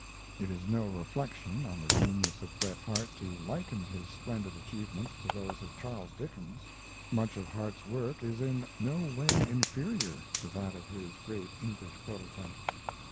It is no reflection on the genius of Bret Harte to liken his splendid achievements to those of Charles Dickens. Much of Harte's work is in no way inferior to that of his great English prototype.